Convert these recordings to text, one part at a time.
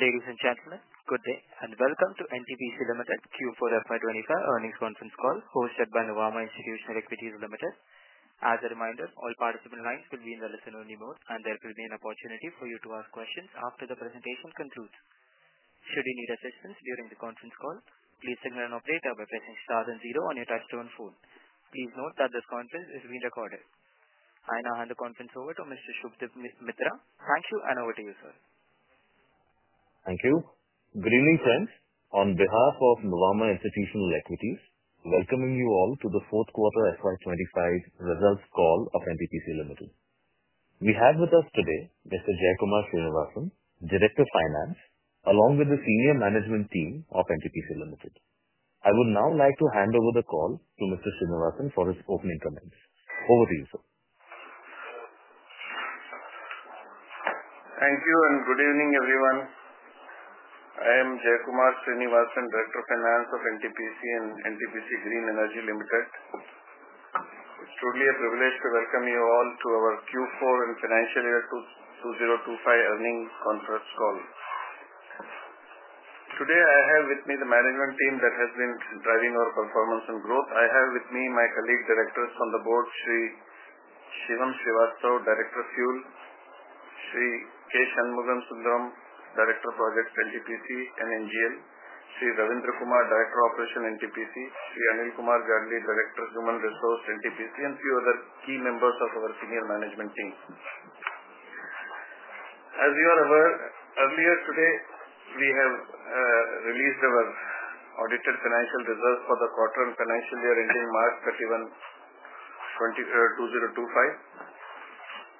Ladies and gentlemen, good day and welcome to NTPC Limited Q4FY25 earnings conference call hosted by Nawama Institutional Equities Limited. As a reminder, all participant lines will be in the listen-only mode, and there will be an opportunity for you to ask questions after the presentation concludes. Should you need assistance during the conference call, please signal an update by pressing star then zero on your touch-tone phone. Please note that this conference is being recorded. I now hand the conference over to Mr. Shubdip Mithra. Thank you, and over to you, sir. Thank you. Good evening, friends. On behalf of Nawama Institutional Equities, welcoming you all to the fourth quarter FY2025 results call of NTPC Limited. We have with us today Mr. Jaikumar Srinivasan, Director of Finance, along with the senior management team of NTPC Limited. I would now like to hand over the call to Mr. Srinivasan for his opening comments. Over to you, sir. Thank you, and good evening, everyone. I am Jaikumar Srinivasan, Director of Finance of NTPC and NTPC Green Energy Limited. It's truly a privilege to welcome you all to our Q4 and financial year 2025 earnings conference call. Today, I have with me the management team that has been driving our performance and growth. I have with me my colleague directors on the board, Sri Shivam Srivastava, Director of Fuel, Sri K. Shanmugha Sundaram, Director of Projects NTPC and NGL, Sri Ravindra Kumar, Director of Operations NTPC, Sri Anil Kumar Jagli, Director of Human Resource NTPC, and a few other key members of our senior management team. As you are aware, earlier today, we have released our audited financial results for the quarter and financial year ending March 31, 2025.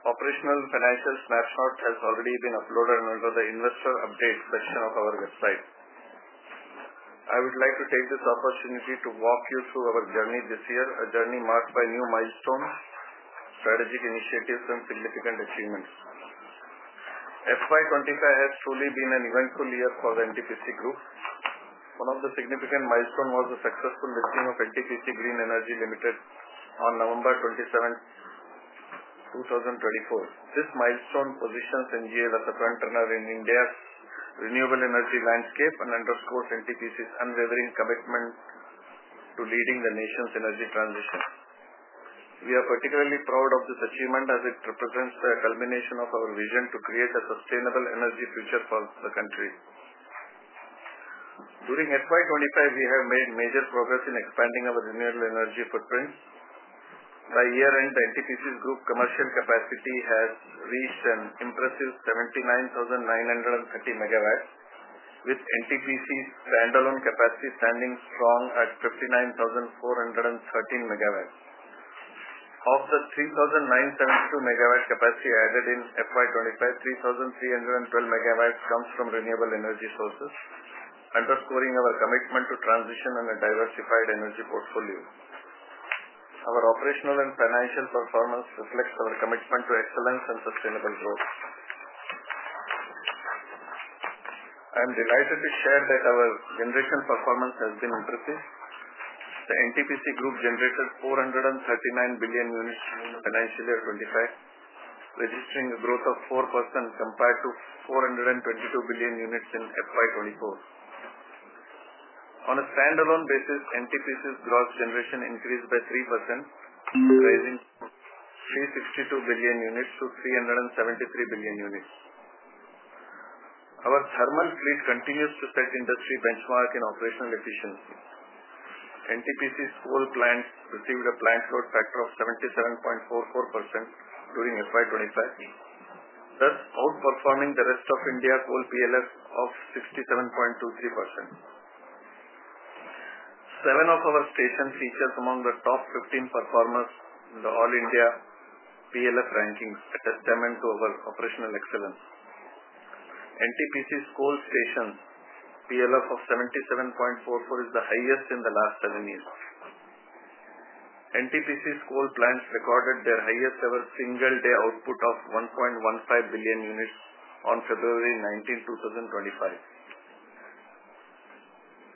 Operational financial snapshot has already been uploaded under the Investor Update section of our website. I would like to take this opportunity to walk you through our journey this year, a journey marked by new milestones, strategic initiatives, and significant achievements. FY25 has truly been an eventful year for the NTPC group. One of the significant milestones was the successful listing of NTPC Green Energy Limited on November 27, 2024. This milestone positions NGL as a frontrunner in India's renewable energy landscape and underscores NTPC's unwavering commitment to leading the nation's energy transition. We are particularly proud of this achievement as it represents the culmination of our vision to create a sustainable energy future for the country. During FY25, we have made major progress in expanding our renewable energy footprint. By year-end, the NTPC group's commercial capacity has reached an impressive 79,930 megawatts, with NTPC's standalone capacity standing strong at 59,413 megawatts. Of the 3,972 megawatt capacity added in FY25, 3,312 megawatts comes from renewable energy sources, underscoring our commitment to transition and a diversified energy portfolio. Our operational and financial performance reflects our commitment to excellence and sustainable growth. I am delighted to share that our generation performance has been improving. The NTPC group generated 439 billion units in financial year 2025, registering a growth of 4% compared to 422 billion units in FY24. On a standalone basis, NTPC's gross generation increased by 3%, rising from 362 billion units to 373 billion units. Our thermal fleet continues to set industry benchmark in operational efficiency. NTPC's coal plants received a plant load factor of 77.44% during FY25, thus outperforming the rest of India's coal PLF of 67.23%. Seven of our stations feature among the top 15 performers in the All India PLF rankings, a testament to our operational excellence. NTPC's coal station PLF of 77.44% is the highest in the last seven years. NTPC's coal plants recorded their highest-ever single-day output of 1.15 billion units on February 19, 2025.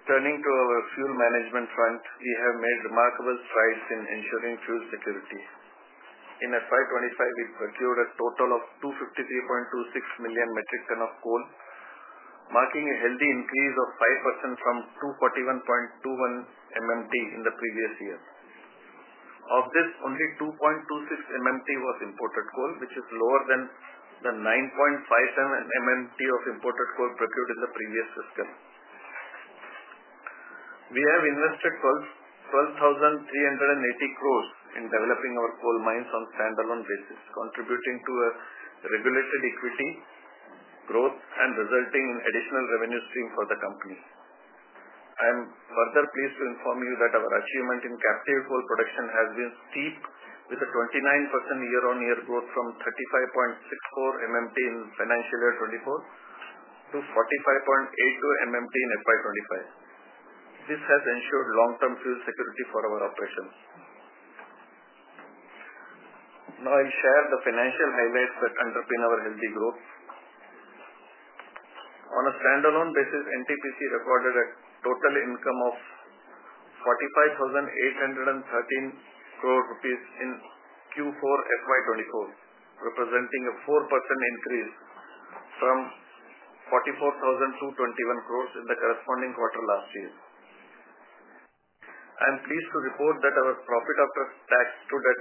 Turning to our fuel management front, we have made remarkable strides in ensuring fuel security. In FY 2025, we procured a total of 253.26 million metric tons of coal, marking a healthy increase of 5% from 241.21 million metric tons in the previous year. Of this, only 2.26 million metric tons was imported coal, which is lower than the 9.57 million metric tons of imported coal procured in the previous fiscal. We have invested 12,380 crore in developing our coal mines on a standalone basis, contributing to regulated equity growth and resulting in additional revenue streams for the company. I am further pleased to inform you that our achievement in captive coal production has been steep, with a 29% year-on-year growth from 35.64 million metric tons in financial year 2024 to 45.82 million metric tons in FY 2025. This has ensured long-term fuel security for our operations. Now, I'll share the financial highlights that underpin our healthy growth. On a standalone basis, NTPC recorded a total income of 45,813 crore rupees in Q4 FY 2024, representing a 4% increase from 44,221 crore in the corresponding quarter last year. I am pleased to report that our profit after tax stood at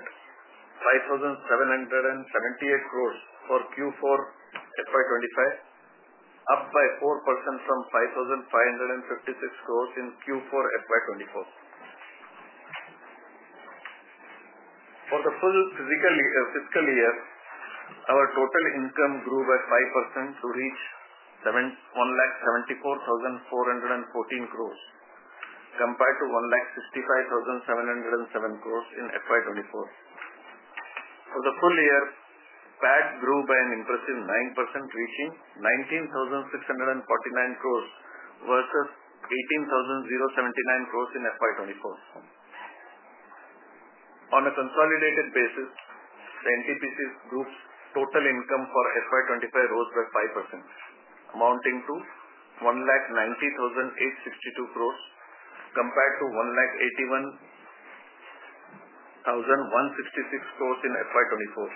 5,778 crore for Q4 FY 2025, up by 4% from 5,556 crore in Q4 FY 2024. For the full fiscal year, our total income grew by 5% to reach 1,74,414 crore, compared to 1,65,707 crore in FY 2024. For the full year, PAT grew by an impressive 9%, reaching 19,649 crore versus 18,079 crore in FY 2024. On a consolidated basis, the NTPC group's total income for FY2025 rose by 5%, amounting to 1,90,862 crore, compared to 1,81,166 crore in FY2024.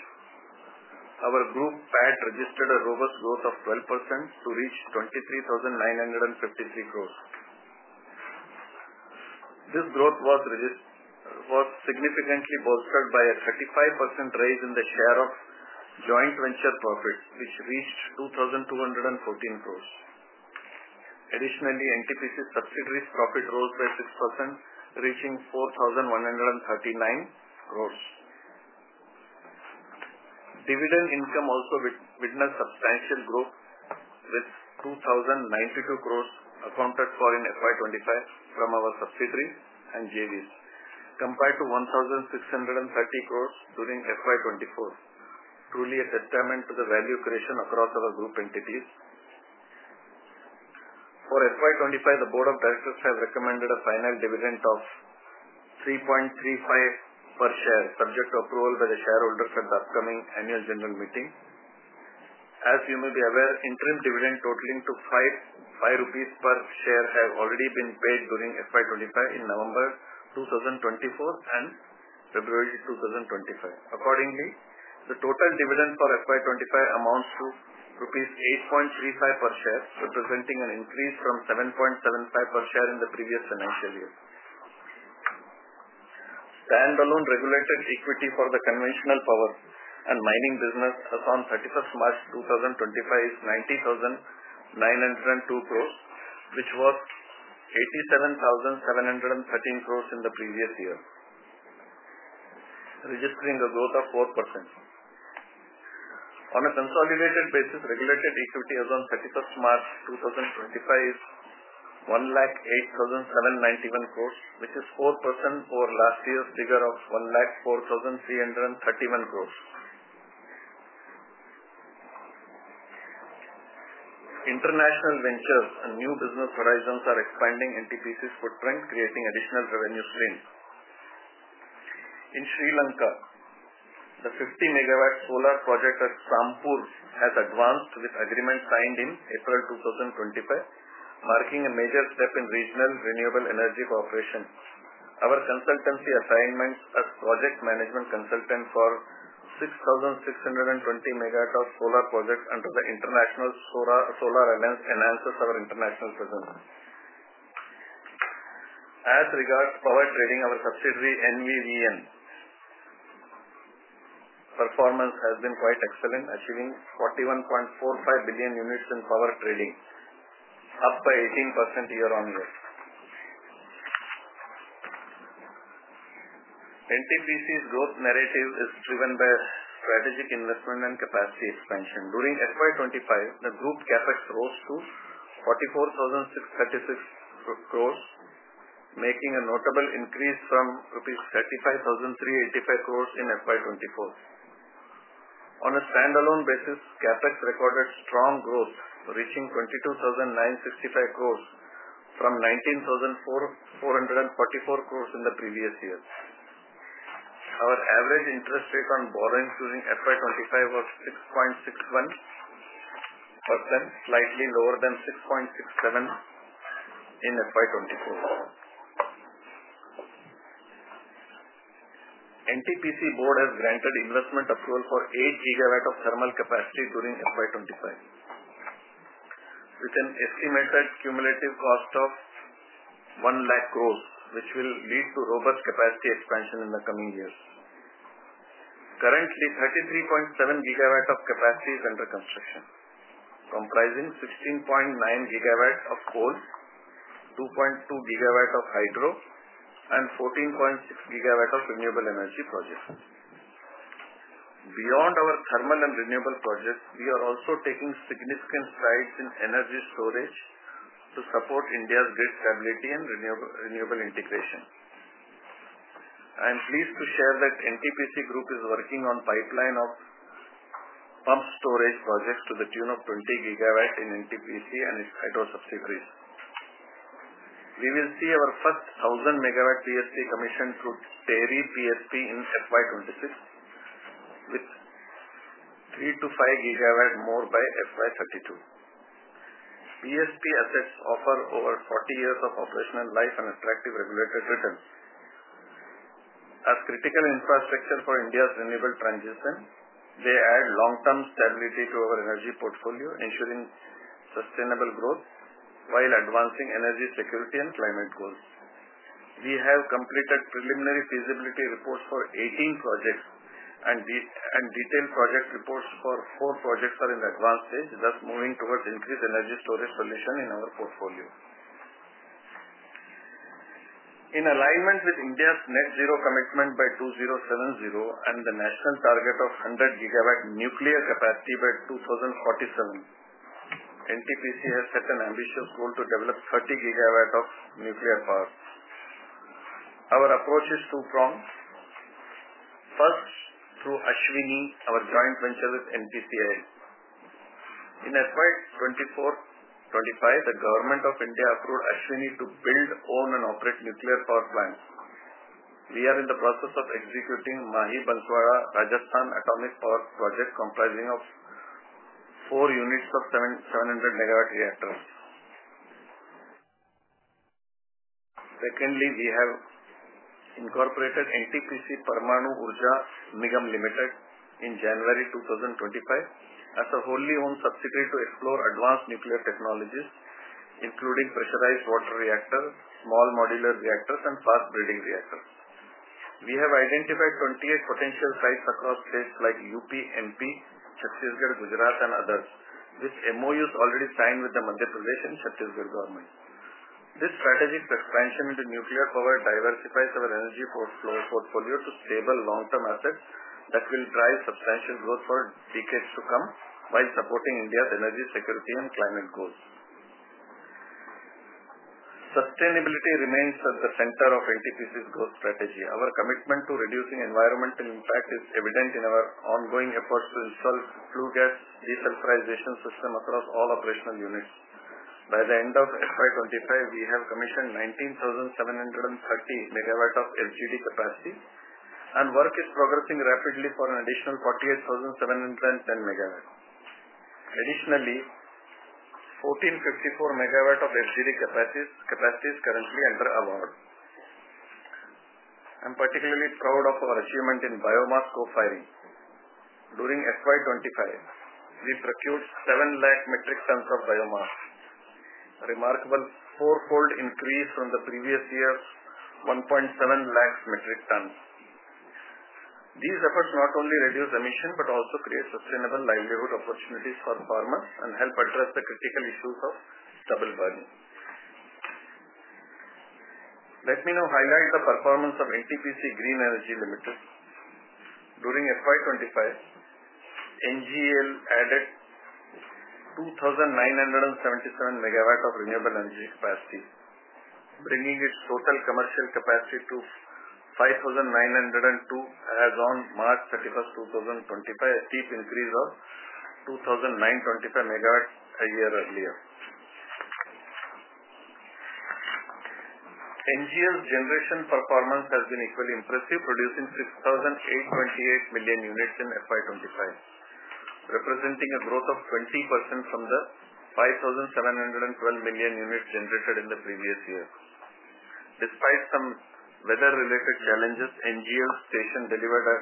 Our group PAT registered a robust growth of 12% to reach 23,953 crore. This growth was significantly bolstered by a 35% raise in the share of joint venture profits, which reached 2,214 crore. Additionally, NTPC subsidiaries' profit rose by 6%, reaching INR 4,139 crore. Dividend income also witnessed substantial growth, with 2,092 crore accounted for in FY2025 from our subsidiaries and JVs, compared to INR 1,630 crore during FY2024, truly a testament to the value creation across our group entities. For FY2025, the Board of Directors has recommended a final dividend of 3.35 per share, subject to approval by the shareholders at the upcoming annual general meeting. As you may be aware, interim dividend totaling to 5 rupees per share has already been paid during FY25 in November 2024 and February 2025. Accordingly, the total dividend for FY25 amounts to rupees 8.35 per share, representing an increase from 7.75 per share in the previous financial year. Standalone regulated equity for the conventional power and mining business as on 31 March 2025 is 90,902 crore, which was 87,713 crore in the previous year, registering a growth of 4%. On a consolidated basis, regulated equity as on 31 March 2025 is 1,08,791 crore, which is 4% over last year's figure of 1,04,331 crore. International ventures and new business horizons are expanding NTPC's footprint, creating additional revenue streams. In Sri Lanka, the 50 MW solar project at Sampur has advanced with agreements signed in April 2025, marking a major step in regional renewable energy cooperation. Our consultancy assignments as project management consultant for 6,620 megawatt-hour solar projects under the International Solar Alliance enhances our international presence. As regards power trading, our subsidiary NVVN performance has been quite excellent, achieving 41.45 billion units in power trading, up by 18% year-on-year. NTPC's growth narrative is driven by strategic investment and capacity expansion. During FY 2025, the group CapEx rose to 44,636 crore, making a notable increase from rupees 35,385 crore in FY 2024. On a standalone basis, CapEx recorded strong growth, reaching 22,965 crore from 19,444 crore in the previous year. Our average interest rate on borrowing during FY 2025 was 6.61%, slightly lower than 6.67% in FY 2024. NTPC Board has granted investment approval for 8 gigawatts of thermal capacity during FY 2025, with an estimated cumulative cost of 1 lakh crore, which will lead to robust capacity expansion in the coming years. Currently, 33.7 gigawatts of capacity is under construction, comprising 16.9 gigawatts of coal, 2.2 gigawatts of hydro, and 14.6 gigawatts of renewable energy projects. Beyond our thermal and renewable projects, we are also taking significant strides in energy storage to support India's grid stability and renewable integration. I am pleased to share that NTPC Group is working on a pipeline of pump storage projects to the tune of 20 gigawatts in NTPC and its hydro subsidiaries. We will see our first 1,000 megawatt PSP commissioned through Terry PSP in FY 2026, with 3-5 gigawatts more by FY 2032. PSP assets offer over 40 years of operational life and attractive regulated return. As critical infrastructure for India's renewable transition, they add long-term stability to our energy portfolio, ensuring sustainable growth while advancing energy security and climate goals. We have completed preliminary feasibility reports for 18 projects, and detailed project reports for four projects are in the advanced stage, thus moving towards increased energy storage solution in our portfolio. In alignment with India's net zero commitment by 2070 and the national target of 100 gigawatt nuclear capacity by 2047, NTPC has set an ambitious goal to develop 30 gigawatts of nuclear power. Our approach is two-pronged. First, through Ashwini, our joint venture with NPCIL. In FY 2024-2025, the Government of India approved Ashwini to build, own, and operate nuclear power plants. We are in the process of executing Mahi Banswara Rajasthan Atomic Power Project, comprising four units of 700 megawatt reactors. Secondly, we have incorporated NTPC Permanu Urja Nigam Limited in January 2025 as a wholly-owned subsidiary to explore advanced nuclear technologies, including pressurized water reactors, small modular reactors, and fast-breeding reactors. We have identified 28 potential sites across states like U.P, M.P, Chhattisgarh, Gujarat, and others, with MOUs already signed with the Madhya Pradesh and Chhattisgarh government. This strategic expansion into nuclear power diversifies our energy portfolio to stable long-term assets that will drive substantial growth for decades to come while supporting India's energy security and climate goals. Sustainability remains at the center of NTPC's growth strategy. Our commitment to reducing environmental impact is evident in our ongoing efforts to install flue gas desulfurization systems across all operational units. By the end of FY2025, we have commissioned 19,730 megawatts of FGD capacity, and work is progressing rapidly for an additional 48,710 megawatts. Additionally, 1,454 megawatts of FGD capacity is currently under award. I am particularly proud of our achievement in biomass co-firing. During FY25, we procured 7 lakh metric tons of biomass, a remarkable four-fold increase from the previous year's 1.7 lakh metric tons. These efforts not only reduce emissions but also create sustainable livelihood opportunities for farmers and help address the critical issues of double burning. Let me now highlight the performance of NTPC Green Energy Limited. During FY25, NGL added 2,977 megawatts of renewable energy capacity, bringing its total commercial capacity to 5,902 as on March 31, 2025, a steep increase of 2,925 megawatts a year earlier. NGL's generation performance has been equally impressive, producing 6,828 million units in FY25, representing a growth of 20% from the 5,712 million units generated in the previous year. Despite some weather-related challenges, NGL's station delivered a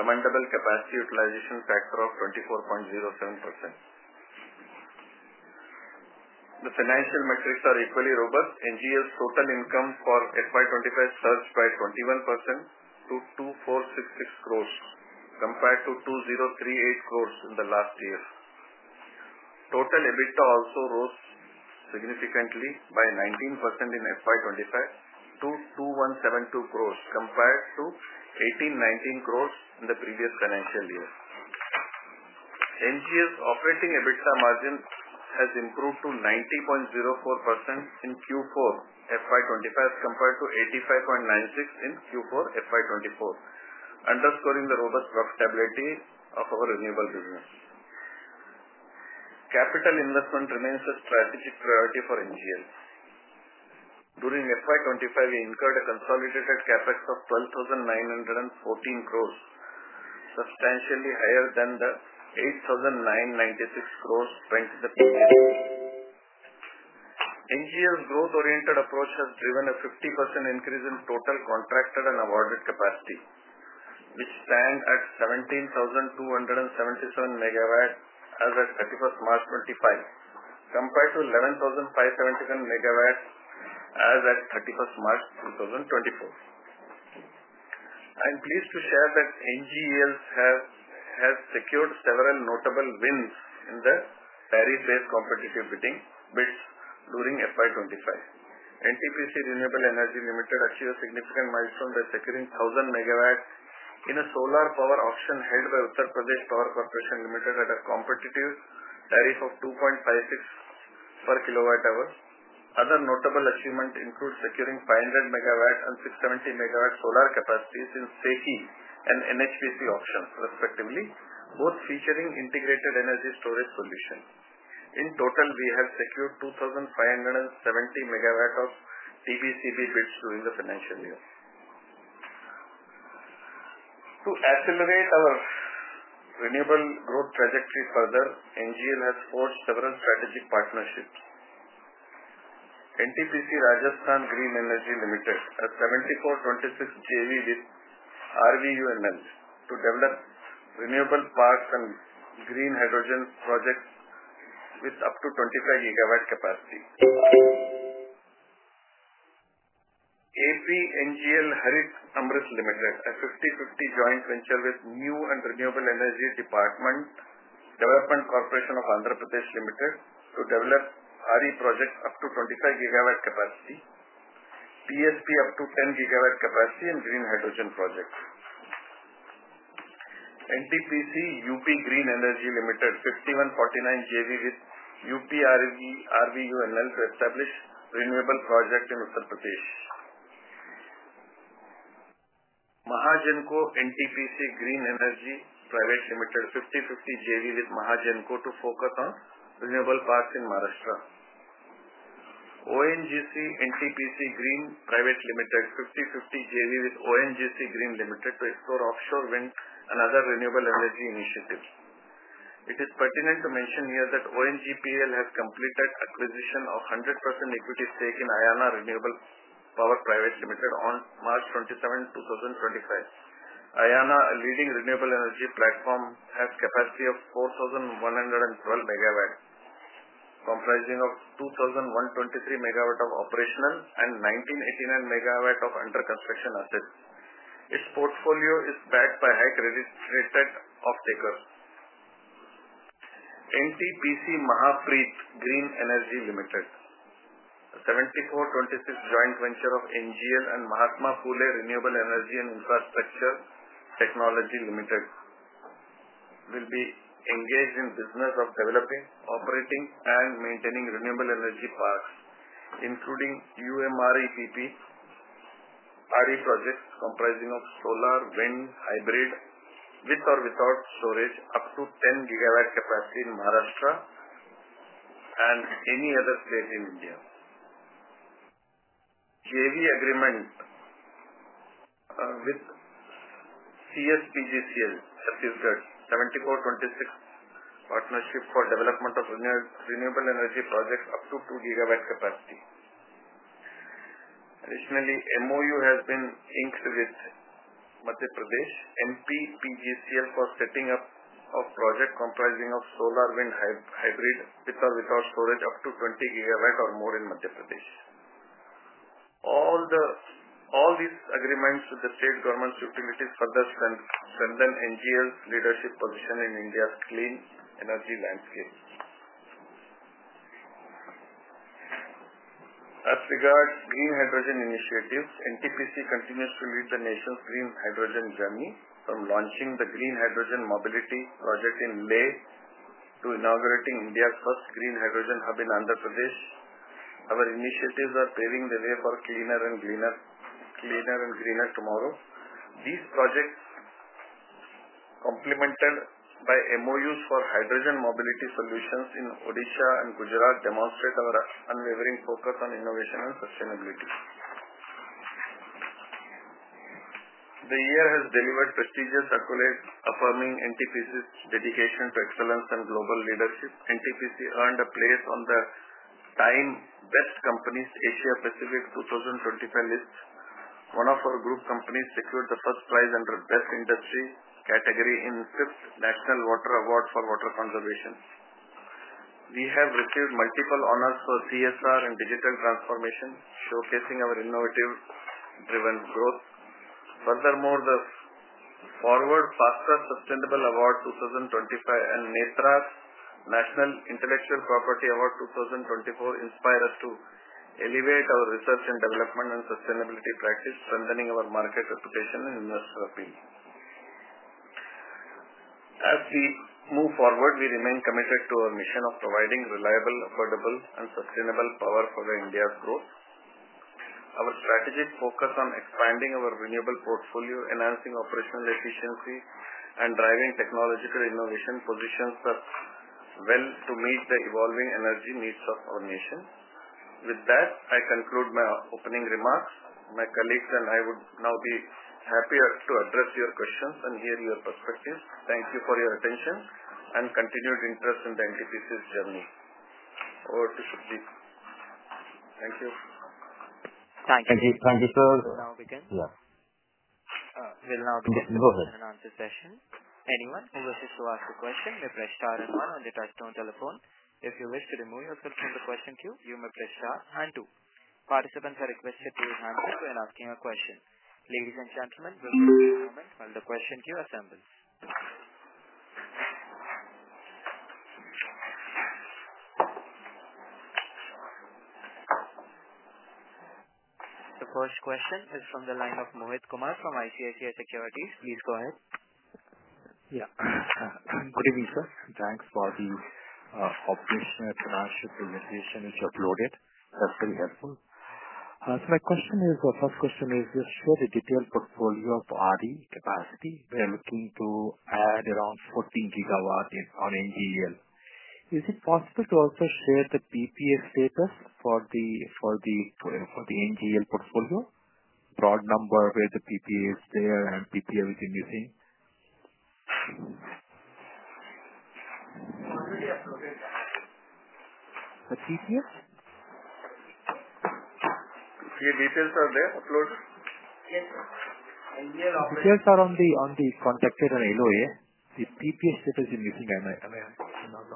commendable capacity utilization factor of 24.07%. The financial metrics are equally robust. NGL's total income for FY2025 surged by 21% to 2,466 crore, compared to 2,038 crore in the last year. Total EBITDA also rose significantly by 19% in FY2025 to 2,172 crore, compared to 1,819 crore in the previous financial year. NGL's operating EBITDA margin has improved to 90.04% in Q4 FY2025 as compared to 85.96% in Q4 FY2024, underscoring the robust profitability of our renewable business. Capital investment remains a strategic priority for NGL. During FY2025, we incurred a consolidated CapEx of 12,914 crore, substantially higher than the 8,996 crore spent in the previous year. NGL's growth-oriented approach has driven a 50% increase in total contracted and awarded capacity, which stands at 17,277 megawatts as at 31st March 2025, compared to 11,577 megawatts as at 31st March 2024. I am pleased to share that NGL has secured several notable wins in the tariff-based competitive bids during FY2025. NTPC Renewable Energy Limited achieved a significant milestone by securing 1,000 megawatts in a solar power auction held by Uttar Pradesh Power Corporation Limited at a competitive tariff of 2.56 per kilowatt-hour. Other notable achievements include securing 500 megawatts and 670 megawatts solar capacity in SECI and NHPC auctions, respectively, both featuring integrated energy storage solutions. In total, we have secured 2,570 megawatts of TBCB bids during the financial year. To accelerate our renewable growth trajectory further, NGL has forged several strategic partnerships. NTPC Rajasthan Green Energy Limited has a JV with RVUNL to develop renewable parks and green hydrogen projects with up to 25 gigawatt capacity. AP NGL Harit Amrit Limited, a 50-50 joint venture with New and Renewable Energy Development Corporation of Andhra Pradesh Limited, to develop RE projects up to 25 gigawatt capacity, PSP up to 10 gigawatt capacity, and green hydrogen projects. NTPC UP Green Energy Limited, 51:49 JV with UPRVUNL to establish renewable project in Uttar Pradesh. Mahajanko NTPC Green Energy Private Limited, 50:50 JV with Mahajanko to focus on renewable parks in Maharashtra. ONGC NTPC Green Private Limited, 50:50 JV with ONGC to explore offshore wind and other renewable energy initiatives. It is pertinent to mention here that ONGC NTPC Green Private Limited has completed acquisition of 100% equity stake in Ayana Renewable Power Private Limited on March 27, 2025. Ayana, a leading renewable energy platform, has capacity of 4,112 megawatts, comprising 2,123 megawatts of operational and 1,989 megawatts of under-construction assets. Its portfolio is backed by high-credited off-takers. NTPC Mahapreet Green Energy Limited, a 74:26 joint venture of NGL and Mahatma Phule Renewable Energy and Infrastructure Technology Limited, will be engaged in business of developing, operating, and maintaining renewable energy parks, including UMREPP RE projects comprising of solar, wind, hybrid, with or without storage, up to 10 gigawatt capacity in Maharashtra and any other state in India. JV Agreement with CSPGCL Chhattisgarh, 74:26 partnership for development of renewable energy projects up to 2 gigawatt capacity. Additionally, MOU has been inked with Madhya Pradesh MPPGCL for setting up a project comprising of solar, wind, hybrid, with or without storage, up to 20 gigawatt or more in Madhya Pradesh. All these agreements with the state governments' utilities further strengthen NGL's leadership position in India's clean energy landscape. As regards green hydrogen initiatives, NTPC continues to lead the nation's green hydrogen journey, from launching the Green Hydrogen Mobility Project in Ladakh to inaugurating India's first green hydrogen hub in Andhra Pradesh. Our initiatives are paving the way for a cleaner and greener tomorrow. These projects, complemented by MOUs for hydrogen mobility solutions in Odisha and Gujarat, demonstrate our unwavering focus on innovation and sustainability. The year has delivered prestigious accolades, affirming NTPC's dedication to excellence and global leadership. NTPC earned a place on the Time Best Companies Asia Pacific 2025 list. One of our group companies secured the first prize under Best Industry category in the Fifth National Water Award for Water Conservation. We have received multiple honors for CSR and digital transformation, showcasing our innovative-driven growth. Furthermore, the Forward Faster Sustainable Award 2025 and NETRAS National Intellectual Property Award 2024 inspire us to elevate our research and development and sustainability practice, strengthening our market reputation and investor appeal. As we move forward, we remain committed to our mission of providing reliable, affordable, and sustainable power for India's growth. Our strategic focus on expanding our renewable portfolio, enhancing operational efficiency, and driving technological innovation positions us well to meet the evolving energy needs of our nation. With that, I conclude my opening remarks. My colleagues and I would now be happier to address your questions and hear your perspectives. Thank you for your attention and continued interest in NTPC's journey. Over to Shubhdeep. Thank you. Thank you. Thank you, sir. We will now begin. Yeah. We will now begin and answer session. Anyone who wishes to ask a question may press star and one on the touchstone telephone. If you wish to remove yourself from the question queue, you may press star and two. Participants are requested to be hands-up when asking a question. Ladies and gentlemen, we will wait a moment while the question queue assembles. The first question is from the line of Mohit Kumar from ICICI Securities. Please go ahead. Yeah. Good evening, sir. Thanks for the operational financial presentation which you uploaded. That's very helpful. So my question is, the first question is, you shared a detailed portfolio of RE capacity. We are looking to add around 14 gigawatts on NGL. Is it possible to also share the PPA status for the NGL portfolio? Broad number where the PPA is there and PPA within missing? The PPA? Your details are there uploaded? Yes, sir. Details are on the contracted and LOA. The PPA status is missing. Am I not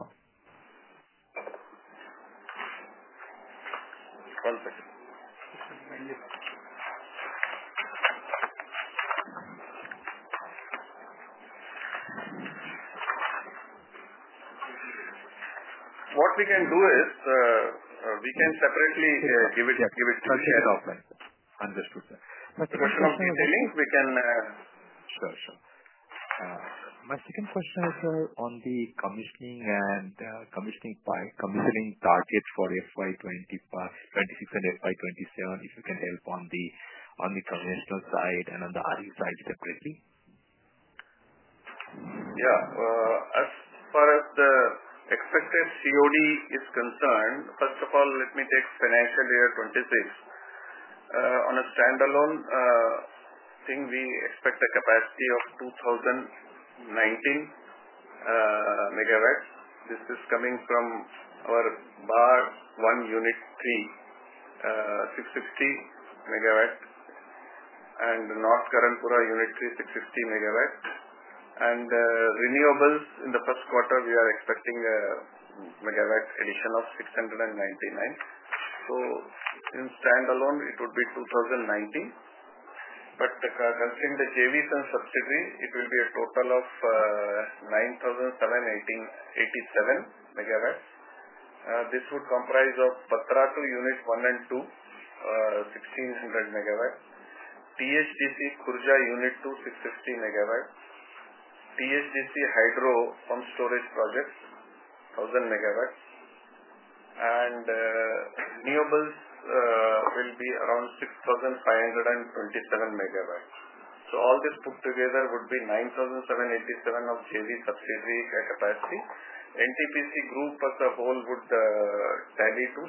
wrong? One second. What we can do is we can separately give it to you. Understood. My second question is billing. We can. Sure, sure. My second question is on the commissioning targets for FY 2026 and FY 2027, if you can help on the conventional side and on the RE side separately. Yeah. As far as the expected COD is concerned, first of all, let me take financial year 2026. On a standalone thing, we expect a capacity of 2,019 megawatts. This is coming from our Barh One Unit 3, 660 megawatts, and North Karanpura Unit 3, 660 megawatts. In renewables in the first quarter, we are expecting a megawatt addition of 699. In standalone, it would be 2,019. Considering the JVs and subsidiaries, it will be a total of 9,787 megawatts. This would comprise of Bhattacharya Unit 1 and 2, 1,600 megawatts. THDC Khurja Unit 2, 660 megawatts. THDC Hydro Pump Storage Project, 1,000 megawatts. Renewables will be around 6,527 megawatts. All this put together would be 9,787 of JV subsidiary capacity. NTPC group as a whole would tally to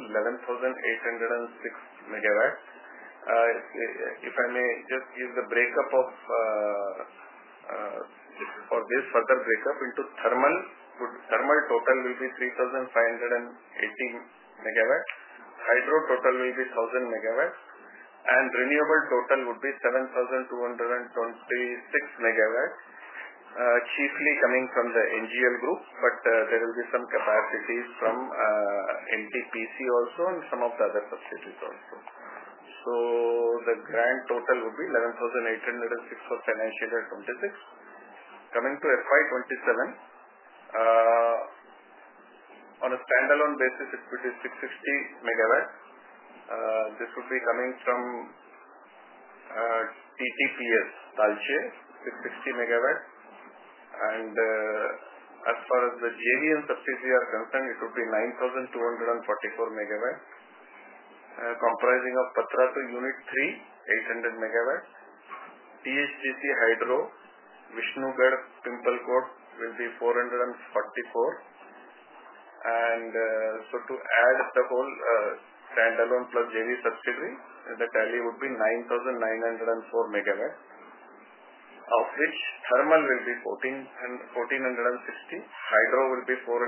11,806 megawatts. If I may just give the breakup of for this further breakup into thermal, thermal total will be 3,518 megawatts. Hydro total will be 1,000 megawatts. Renewable total would be 7,226 megawatts, chiefly coming from the NGL group, but there will be some capacities from NTPC also and some of the other subsidiaries also. The grand total would be 11,806 for financial year 2026. Coming to FY2027, on a standalone basis, it would be 660 megawatts. This would be coming from TTPS, Talche, 660 megawatts. As far as the JV and subsidiary are concerned, it would be 9,244 megawatts, comprising of Bhattacharya Unit 3, 800 megawatts. THDC Hydro, Vishnugad Pimpal Court will be 444. To add the whole standalone plus JV subsidiary, the tally would be 9,904 megawatts, of which thermal will be 1,460, hydro will be 444,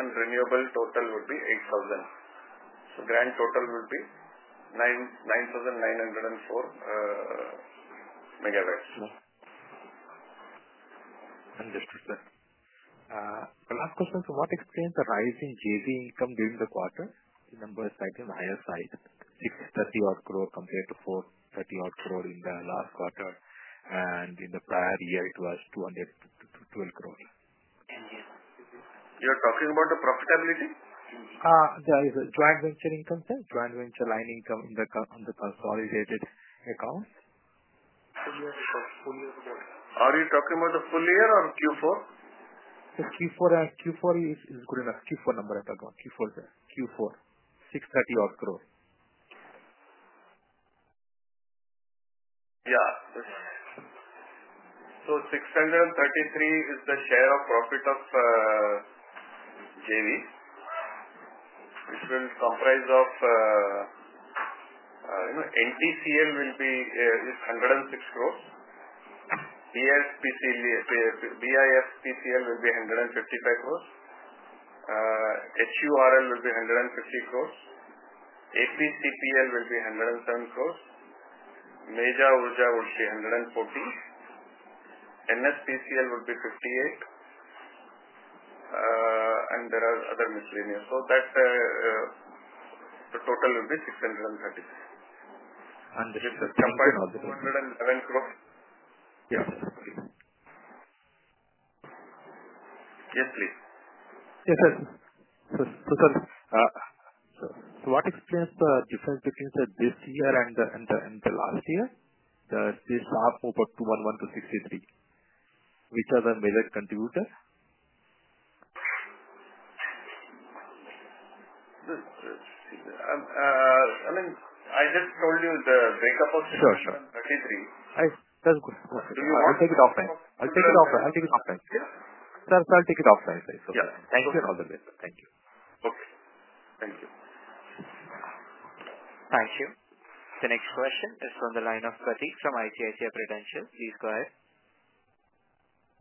and renewable total would be 8,000. Grand total would be 9,904 megawatts. Understood, sir. My last question is, to what extent the rising JV income during the quarter? The number is slightly on the higher side, 630 crore compared to 430 crore in the last quarter. In the prior year, it was 212 crore. You are talking about the profitability? The joint venture income there, joint venture line income on the consolidated accounts. Are you talking about the full year or Q4? The Q4 is good enough. Q4 number I talked about. Q4 there. Q4. 630 odd crore. Yeah. So 633 crore is the share of profit of JV, which will comprise of NTCL will be 106 crore. BIFPCL will be 155 crore. HURL will be 150 crore. APCPL will be 107 crore. Meja Urja Nigam Limited 140 crore. NSPCL would be 58 crore. And there are other miscellaneous. So that total will be 633 crore. And this is combined? INR 211 crore. Yes, please. Yes, sir. So what explains the difference between this year and the last year? The up over 211 crore to 633 crore. Which are the major contributors? I mean, I just told you the breakup of INR 633 crore. Sure, sure. That's good. Do you want to take it offline? I'll take it offline. I'll take it offline. Sir, sir, I'll take it offline. Thank you for all the best. Thank you. Okay. Thank you. Thank you. The next question is from the line of Study from ICICI Prudential. Please go ahead.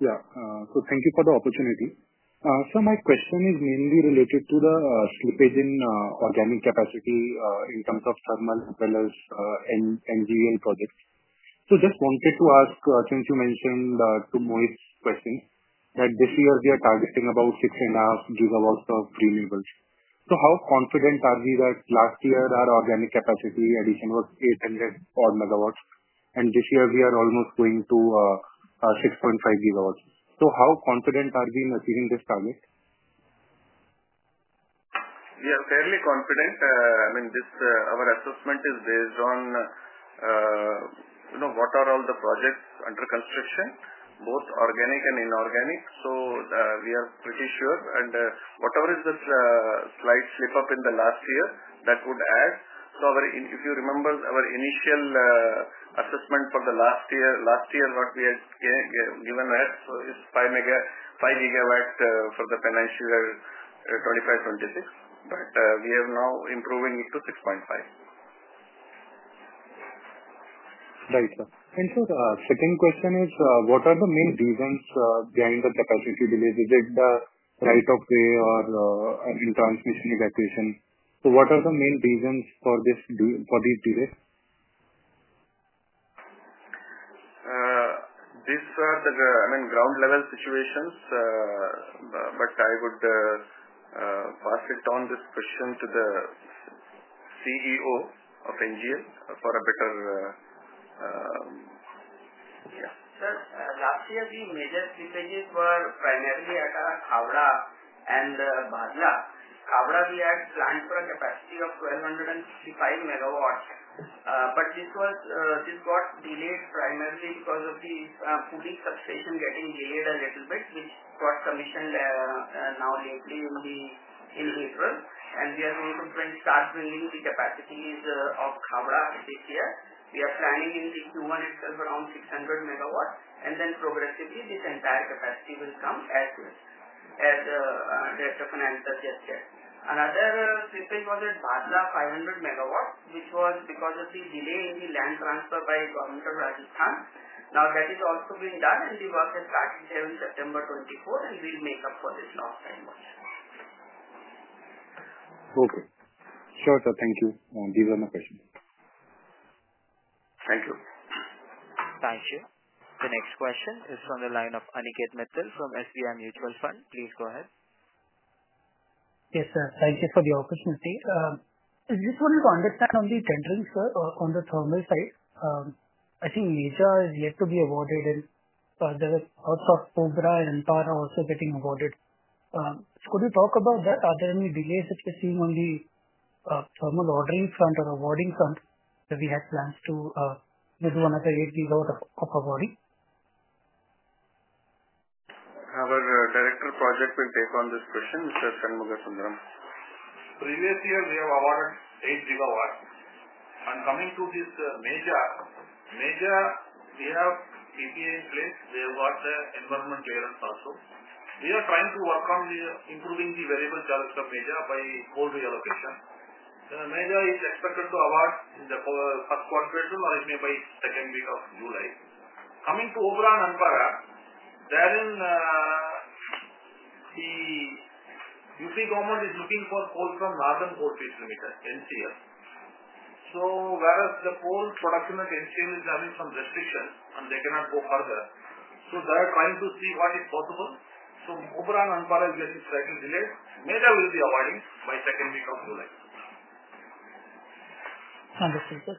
Yeah. Thank you for the opportunity. My question is mainly related to the slippage in organic capacity in terms of thermal as well as NGL projects. Just wanted to ask, since you mentioned to Mohit's question, that this year we are targeting about 6.5 gigawatts of renewables. How confident are we that last year our organic capacity addition was 800 odd megawatts, and this year we are almost going to 6.5 gigawatts? How confident are we in achieving this target? We are fairly confident. I mean, our assessment is based on what are all the projects under construction, both organic and inorganic. We are pretty sure. Whatever is the slight slip-up in the last year, that would add. If you remember our initial assessment for the last year, last year what we had given as 5 gigawatts for the financial year 2025-2026, but we are now improving it to 6.5. Right. The second question is, what are the main reasons behind the capacity delays? Is it the right of way or transmission evacuation? What are the main reasons for these delays? These are, I mean, ground-level situations. I would pass on this question to the CEO of NGL for a better, yeah. Sir, last year the major slippages were primarily at Khawda and Bhadla. Khawda, we had planned for a capacity of 1,265 megawatts. This got delayed primarily because of the cooling substation getting delayed a little bit, which got commissioned now lately in April. We are going to start building the capacities of Khawda this year. We are planning in the Q1 itself around 600 megawatts. Then progressively, this entire capacity will come as direct of an answer just yet. Another slippage was at Bhadla, 500 megawatts, which was because of the delay in the land transfer by Government of Rajasthan. Now that is also being done, and the work has started here on September 24, and we'll make up for this lost time. Okay. Sure, sir. Thank you. These are my questions. Thank you. Thank you. The next question is from the line of Aniket Mithil from SBI Mutual Fund. Please go ahead. Yes, sir. Thank you for the opportunity. I just wanted to understand on the tendering, sir, on the thermal side. I think Meja is yet to be awarded, and there are lots of Obra and Anpara also getting awarded. Could you talk about that? Are there any delays that you're seeing on the thermal ordering front or awarding front that we had plans to do another 8 gigawatt of awarding? Our Director of Projects will take on this question, Mr. Shanmugha Sundaram. Previous year, we have awarded 8 gigawatts. Coming to this Meja, Meja, we have PPA in place. We have got the environment clearance also. We are trying to work on improving the variable charge of Meja by coal reallocation. Meja is expected to award in the first quarter or it may be by second week of July. Coming to Obra and Anpara, therein the UP government is looking for coal from Northern Coalpit Limited, NCL. Whereas the coal production at NCL is having some restrictions and they cannot go further, they are trying to see what is possible. OBRA and Anpara are getting slightly delayed. Meja will be awarding by the second week of July. Understood, sir.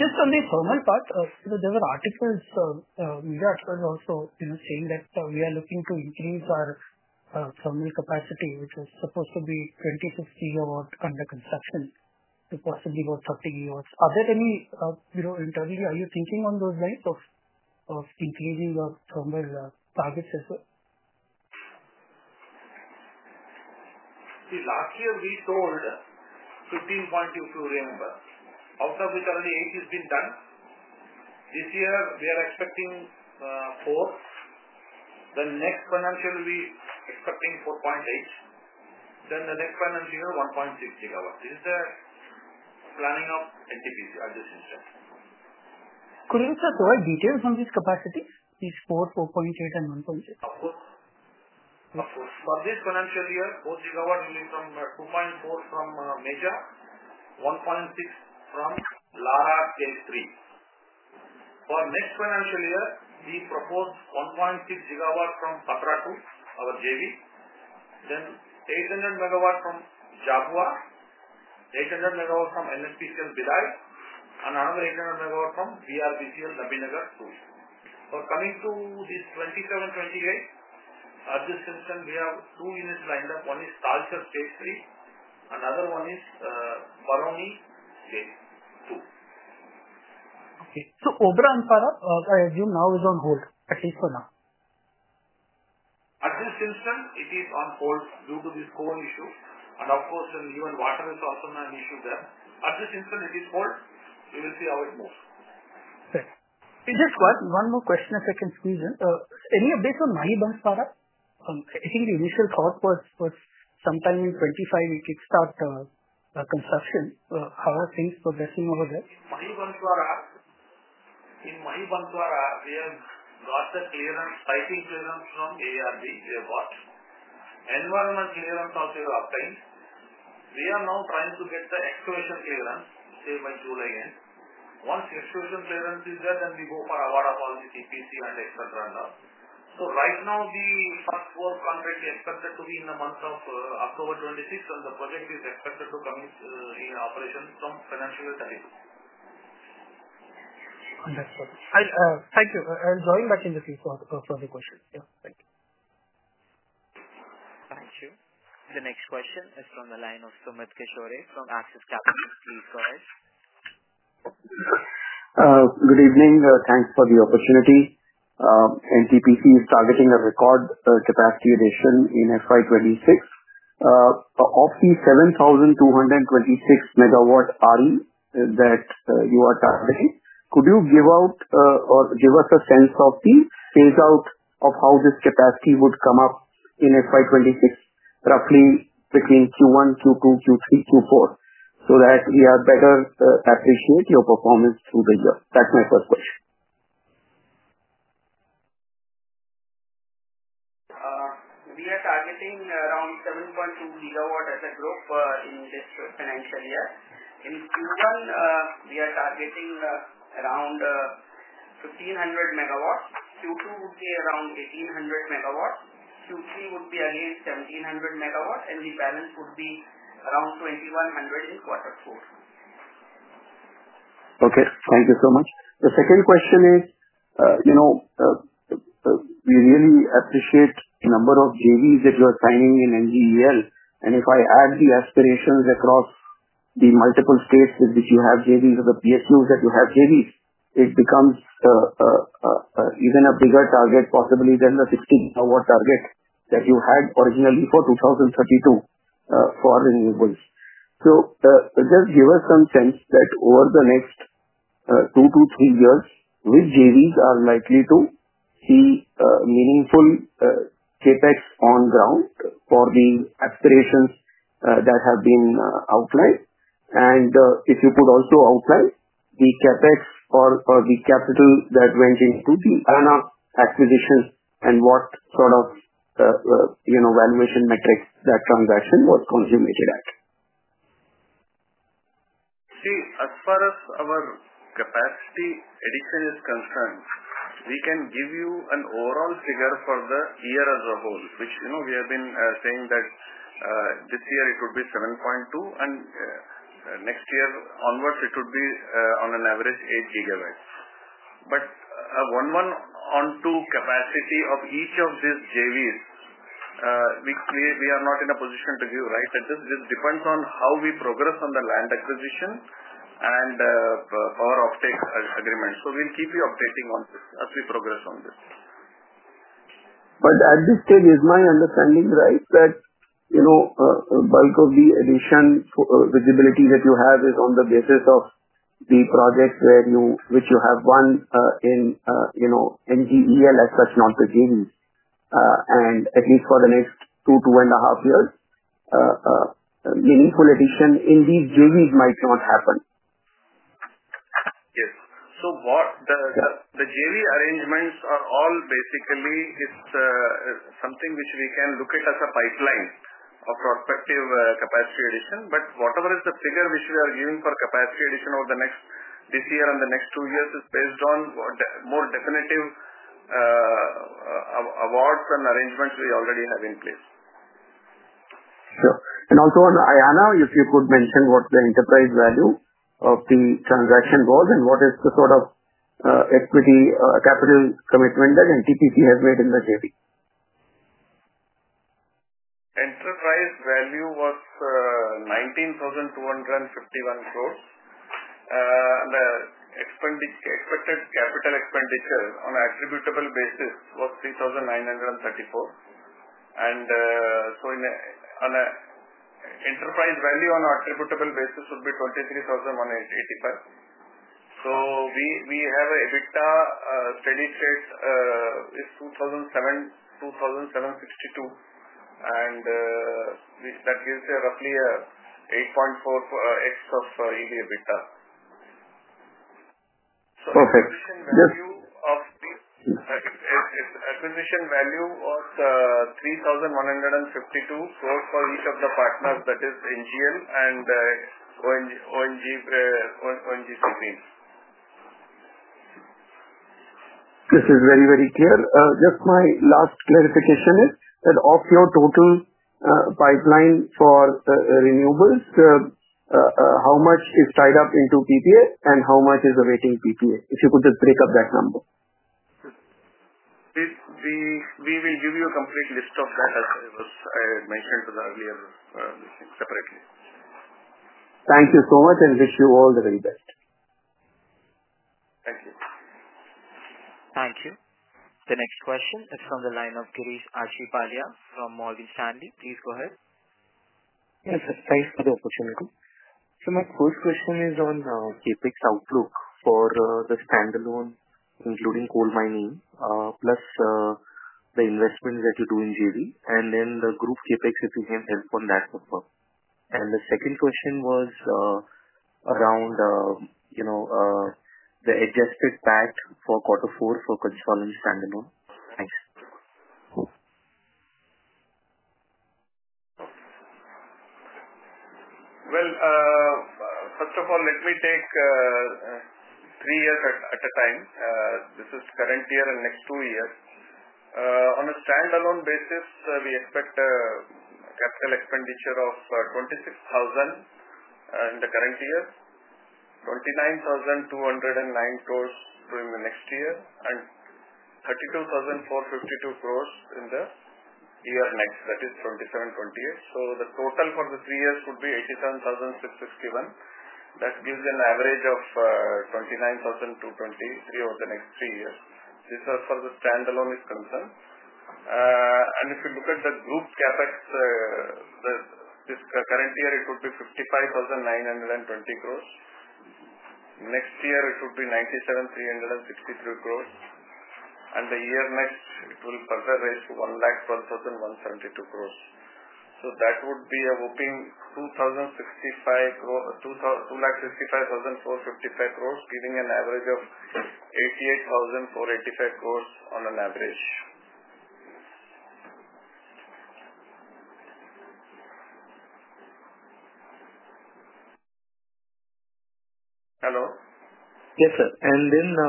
Just on the thermal part, there were articles, media articles also saying that we are looking to increase our thermal capacity, which was supposed to be 20-50 gigawatts under construction to possibly about 30 gigawatts. Are there any, internally, are you thinking on those lines of increasing the thermal targets as well? Last year, we sold 15.2 crore gigawatts. Out of which, already 8 has been done. This year, we are expecting 4. The next financial year, we are expecting 4.8. Then the next financial year, 1.6 gigawatts. This is the planning of NTPC Adjustment Center. Could you just provide details on these capacities, these 4, 4.8, and 1.6? Of course. For this financial year, 4 gigawatts will be from 2.4 from Meja, 1.6 from Lara K3. For next financial year, we proposed 1.6 gigawatts from Bhattacharya to our JV, then 800 megawatts from Jabhwa, 800 megawatts from NSPCL Bidai, and another 800 megawatts from BRBCL Nabinagar 2. Coming to this 2027-2028, Adjustment Center, we have two units lined up. One is Talcher, Stage 3. Another one is Barh, Stage 2. Okay. OBRA and Anpara, I assume now is on hold, at least for now? Adjustment Center, it is on hold due to this coal issue. Of course, even water is also an issue there. Adjustment Center, it is hold. We will see how it moves. Sir. Just one more question, if I can squeeze in. Any updates on Mahi Banswara? I think the initial thought was sometime in 2025, we kickstart construction. How are things progressing over there? Mahi Banswara, in Mahi Banswara, we have got the clearance, spiking clearance from ARB. We have got environment clearance also is obtained. We are now trying to get the excavation clearance, say by July end. Once excavation clearance is there, then we go for award of all the TPC and etc. and all. Right now, the first four contracts are expected to be in the month of October 2026, and the project is expected to come into operation from financial year 2032. Understood. Thank you. I'll join back in the field for the question. Yeah. Thank you. Thank you. The next question is from the line of Sumit Keshore from Axis Capital. Please go ahead. Good evening. Thanks for the opportunity. NTPC is targeting a record capacity addition in FY2026. Of the 7,226 megawatt RE that you are targeting, could you give us a sense of the phase-out of how this capacity would come up in FY2026, roughly between Q1, Q2, Q3, Q4, so that we better appreciate your performance through the year? That's my first question. We are targeting around 7.2 gigawatts as a group in this financial year. In Q1, we are targeting around 1,500 megawatts. Q2 would be around 1,800 megawatts. Q3 would be again 1,700 megawatts, and the balance would be around 2,100 in quarter four. Okay. Thank you so much. The second question is, we really appreciate the number of JVs that you are signing in NGEL. If I add the aspirations across the multiple states with which you have JVs or the PSUs that you have JVs, it becomes even a bigger target, possibly than the 16-gigawatt target that you had originally for 2032 for renewables. Just give us some sense that over the next two to three years, which JVs are likely to see meaningful CapEx on ground for the aspirations that have been outlined. If you could also outline the CapEx or the capital that went into the Ayana acquisition and what sort of valuation metric that transaction was consummated at. See, as far as our capacity addition is concerned, we can give you an overall figure for the year as a whole, which we have been saying that this year it would be 7.2, and next year onwards, it would be on an average 8 gigawatts. A one-on-two capacity of each of these JVs, we are not in a position to give right at this. This depends on how we progress on the land acquisition and power offtake agreement. We will keep you updated on this as we progress on this. At this stage, is my understanding right that bulk of the addition visibility that you have is on the basis of the projects which you have won in NGEL as such, not the JVs? At least for the next two to two and a half years, meaningful addition in these JVs might not happen? Yes. The JV arrangements are all basically something which we can look at as a pipeline of prospective capacity addition. Whatever is the figure which we are giving for capacity addition over this year and the next two years is based on more definitive awards and arrangements we already have in place. Sure. Also on Ayana, if you could mention what the enterprise value of the transaction was and what is the sort of equity capital commitment that NTPC has made in the JV. Enterprise value was 19,251 crore. The expected capital expenditure on an attributable basis was 3,934 crore. On an enterprise value on an attributable basis, it would be 23,185 crore. We have an EBITDA steady state of 2,762 crore, and that gives you roughly 8.4x of EBITDA. Acquisition value was 3,152 crore for each of the partners, that is NGL and ONGC Green. This is very, very clear. Just my last clarification is that of your total pipeline for renewables, how much is tied up into PPA and how much is awaiting PPA? If you could just break up that number. We will give you a complete list of that as I was mentioned to the earlier separately. Thank you so much and wish you all the very best. Thank you. Thank you. The next question is from the line of Girish Achipalya from Morgan Stanley. Please go ahead. Yes, sir. Thanks for the opportunity. My first question is on CapEx outlook for the standalone, including coal mining, plus the investments that you do in JV, and then the group CapEx, if you can help on that as well. The second question was around the adjusted PAT for quarter four for consolidated standalone. Thanks. First of all, let me take three years at a time. This is current year and next two years. On a standalone basis, we expect capital expenditure of 26,000 crore in the current year, 29,209 crore during the next year, and 32,452 crore in the year next, that is 2027-2028. So the total for the three years would be 87,661 crore. That gives you an average of 29,223 crore over the next three years. This is for the standalone is concerned. If you look at the group CapEx, this current year, it would be 55,920 crore. Next year, it would be 97,363 crore. The year next, it will further raise to 112,172 crore. That would be a whopping 265,455 crore, giving an average of 88,485 crore on an average. Hello? Yes, sir.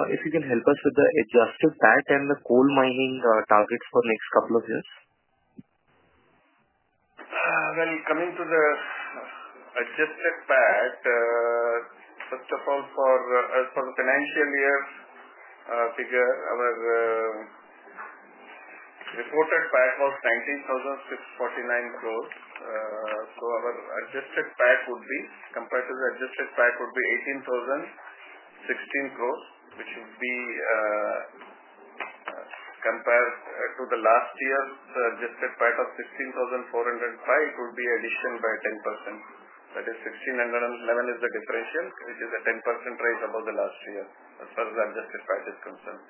If you can help us with the adjusted PAT and the coal mining targets for next couple of years. Coming to the adjusted PAT, first of all, for the financial year figure, our reported PAT was 19,649 crore. Our adjusted PAT would be compared to the adjusted PAT would be 18,016 crore, which would be compared to last year. The adjusted PAT of 16,405 crore, it would be addition by 10%. That is 1,611 crore is the differential, which is a 10% rise above last year as far as the adjusted PAT is concerned.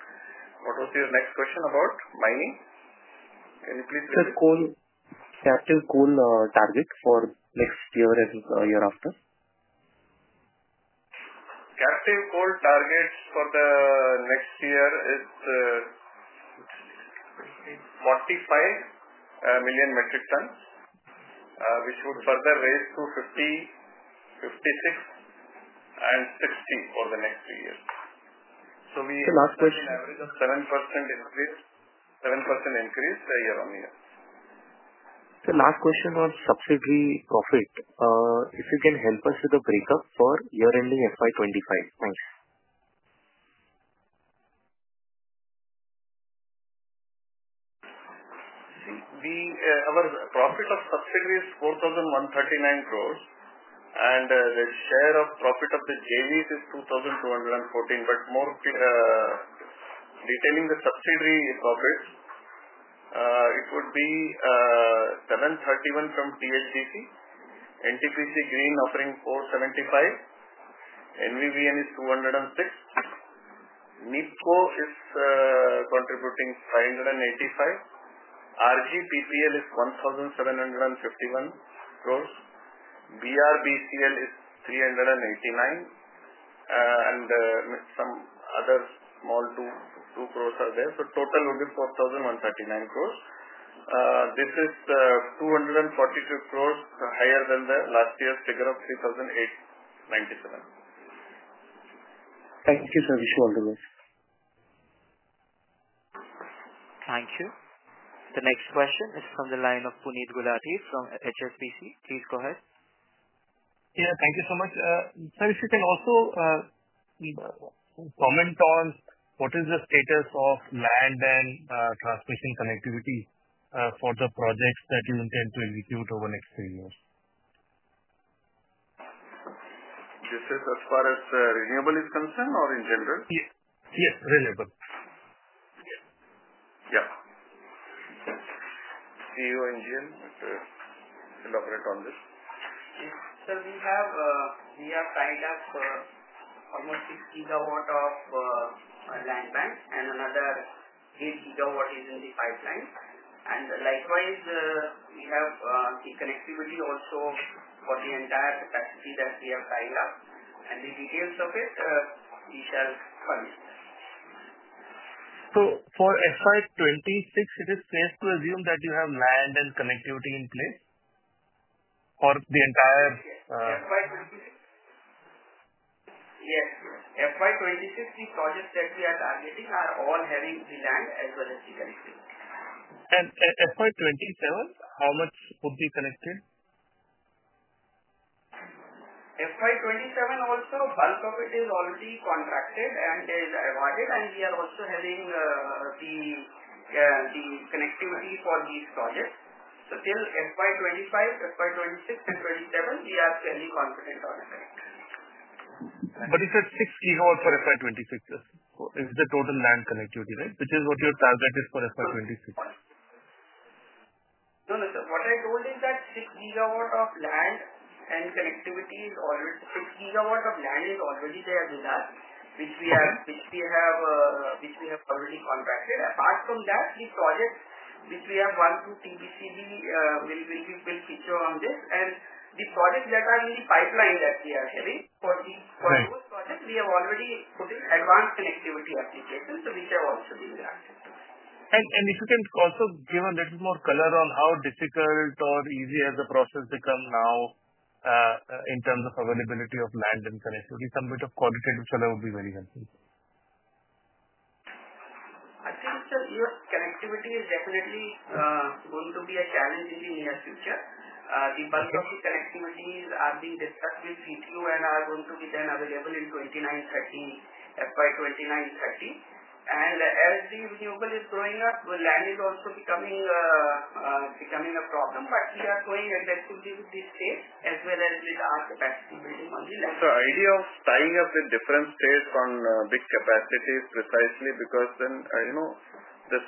What was your next question about mining? Can you please repeat? Captive coal target for next year and year after? Captive coal targets for the next year is 45 million metric tons, which would further raise to 56 and 60 over the next two years. We have an average of 7% increase year on year. The last question was subsidy profit. If you can help us with the breakup for year-ending FY2025. Thanks. See, our profit of subsidiary is 4,139 crore, and the share of profit of the JVs is 2,214 crore. But more detailing the subsidiary profits, it would be 731 crore from THDC, NTPC Green offering 475 crore, NVVN is 206 crore, NIPCO is contributing 585 crore, RGPPL is 1,751 crore, BRBCL is 389 crore, and some other small 2 crore are there. So total would be 4,139 crore. This is 242 crore higher than the last year's figure of 3,897 crore. Thank you, sir. Wish you all the best. Thank you. The next question is from the line of Puneet Gulathi from HSBC. Please go ahead. Yeah. Thank you so much. Sir, if you can also comment on what is the status of land and transmission connectivity for the projects that you intend to execute over next three years. This is as far as renewable is concerned or in general? Yes. Renewable. Yeah. CUNGL, if you can elaborate on this. Sir, we have tied up almost 6 gigawatts of land bank, and another 8 gigawatts is in the pipeline. Likewise, we have the connectivity also for the entire capacity that we have tied up. The details of it, we shall come. For FY26, it is safe to assume that you have land and connectivity in place for the entire FY26? Yes. FY26, the projects that we are targeting are all having the land as well as the connectivity. FY27, how much would be connected? FY27 also, bulk of it is already contracted and is awarded, and we are also having the connectivity for these projects. Till FY25, FY26, and FY27, we are fairly confident on the connectivity. You said 6 gigawatts for FY26. Is the total land connectivity, right? Which is what your target is for FY26? No, no, sir. What I told is that 6 gigawatts of land and connectivity is already 6 gigawatts of land is already there with us, which we have already contracted. Apart from that, the projects which we have gone through TBCB will feature on this. The projects that are in the pipeline that we are having, for those projects, we have already put in advanced connectivity applications, which have also been granted. If you can also give a little more color on how difficult or easy has the process become now in terms of availability of land and connectivity, some bit of qualitative color would be very helpful. I think, sir, connectivity is definitely going to be a challenge in the near future. The bulk of the connectivities are being discussed with CTU and are going to be then available in 2029-2030, FY2029-2030. As the renewable is growing up, land is also becoming a problem. We are going aggressively with this state as well as with our capacity building on the land. It's the idea of tying up the different states on big capacities precisely because then the state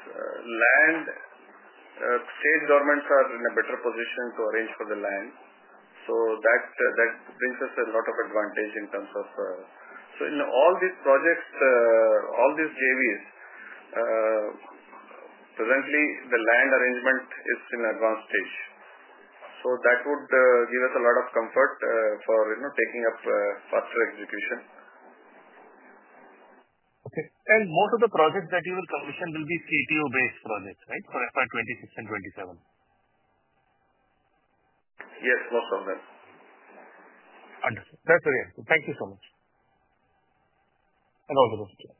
governments are in a better position to arrange for the land. That brings us a lot of advantage in terms of, in all these projects, all these JVs, presently, the land arrangement is in advanced stage. That would give us a lot of comfort for taking up faster execution. Okay. Most of the projects that you will commission will be CTO-based projects, right, for FY 2026 and FY 2027? Yes, most of them. Understood. That's very helpful. Thank you so much. All the best to you.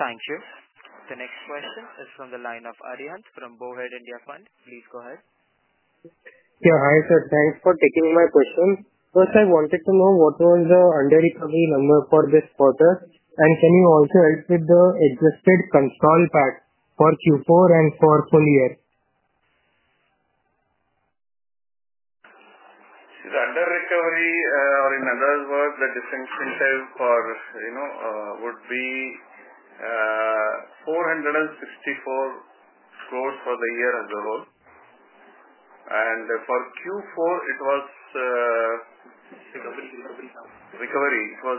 Thank you. The next question is from the line of Arihant from Bouhed India Fund. Please go ahead. Yeah. Hi, sir. Thanks for taking my question. First, I wanted to know what was the under-recovery number for this quarter, and can you also help with the adjusted consolidated PAT for Q4 and for full year? The under-recovery, or in other words, the disincentive would be 4.64 billion for the year as a whole. For Q4, it was recovery. It was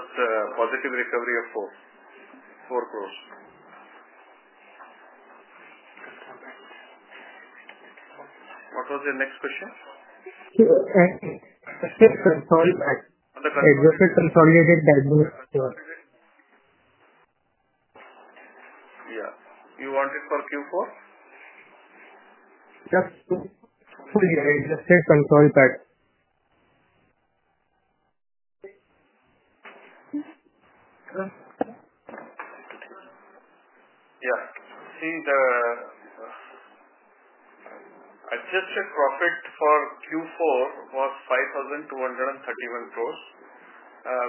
positive recovery of 40 million. What was your next question? Adjusted consolidated PAT. Yeah. You want it for Q4? Just full year adjusted consolidated PAT. Yeah. See, the adjusted profit for Q4 was 52.31 billion,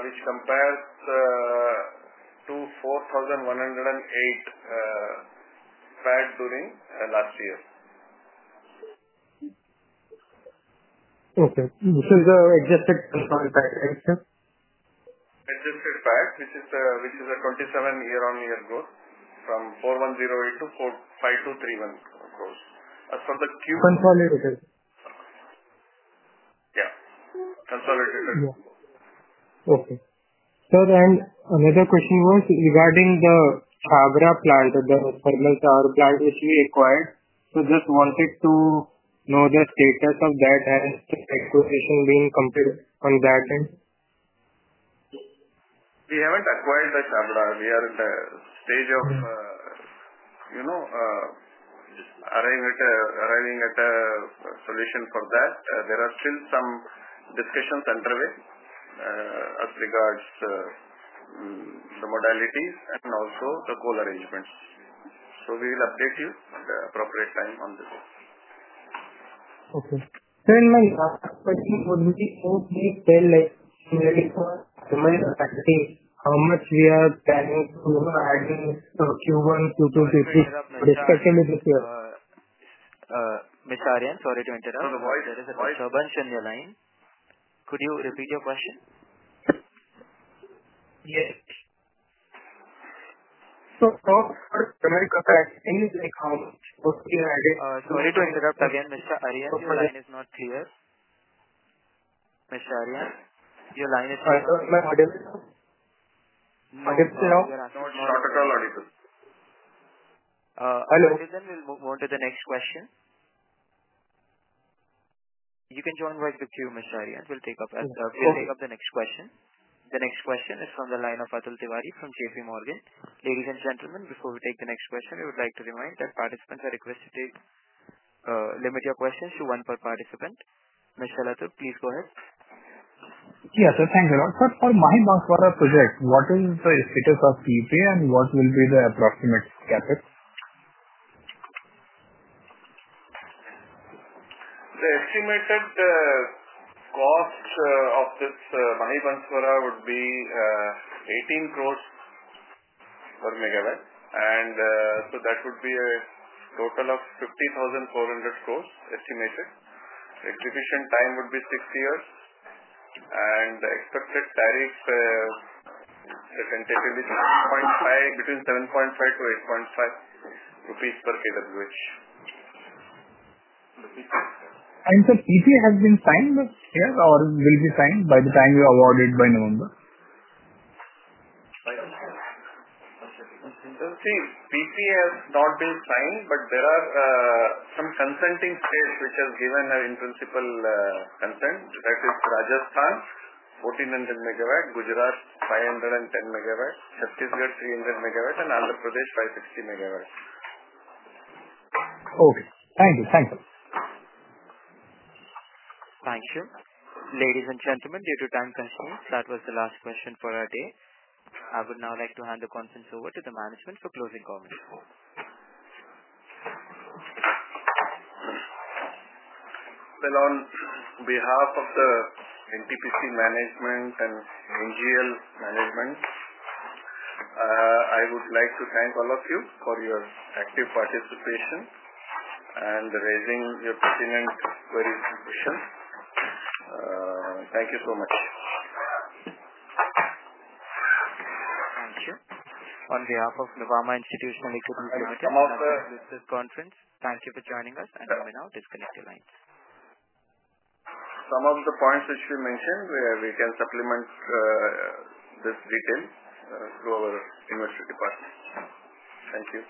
which compares to 41.08 billion PAT during last year. Okay. So the adjusted consolidated PAT, right, sir? Adjusted PAT, which is a 27% year-on-year growth from 41.08 billion to 52.31 billion as for the Q4. Consolidated. Yeah. Consolidated. Okay. Sir, and another question was regarding the Chhabra plant, the thermal power plant which we acquired. So just wanted to know the status of that, has the acquisition been completed on that end? We have not acquired the Chhabra. We are in the stage of arriving at a solution for that. There are still some discussions underway as regards the modalities and also the coal arrangements. We will update you at the appropriate time on this. Okay. Sir, and my last question would be if we failed to ready for thermal capacity, how much we are planning to add in Q1, Q2, Q3, especially this year? Mr. Arihant, sorry to interrupt. There is a sub-bunch in the line. Could you repeat your question? Yes. For thermal capacity, how much would be added? Sorry to interrupt again, Mr. Arihant. Your line is not clear. Mr. Arihant, your line is clear. Hello. Ladies and gentlemen, we'll move on to the next question. You can join while the queue, Mr. Arihan. We'll take up the next question. The next question is from the line of Atul Tiwari from J.P. Morgan. Ladies and gentlemen, before we take the next question, we would like to remind that participants are requested to limit your questions to one per participant. Mr. Lathoor, please go ahead. Yeah, sir. Thank you. For Mahi Banswara project, what is the status of TUPA and what will be the approximate CapEx? The estimated cost of this Mahi Banswara would be 180 million per megawatt. That would be a total of 50,400 crore estimated. Execution time would be six years. The expected tariff is tentatively between 7.5-8.5 rupees per kWh. Sir, PPA has been signed this year or will be signed by the time you award it by November? See, PPA has not been signed, but there are some consenting states which have given an in-principal consent. That is Rajasthan, 1,400 MW; Gujarat, 510 MW; Chhattisgarh, 300 MW; and Andhra Pradesh, 560 MW. Okay. Thank you. Thank you. Thank you. Ladies and gentlemen, due to time constraints, that was the last question for our day. I would now like to hand the conference over to the management for closing comments. On behalf of the NTPC management and NGL management, I would like to thank all of you for your active participation and raising your pertinent queries and questions. Thank you so much. Thank you. On behalf of Navarma Institutional Equipment Limited, this is Conference. Thank you for joining us, and we will now disconnect your lines. Some of the points which we mentioned, we can supplement this detail through our investor department. Thank you.